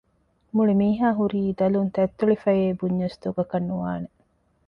މުޅި މީހާ ހުރީ ދަލުން ތަތްތެޅިފަޔޭ ބުންޏަސް ދޮގަކަށް ނުވާނެ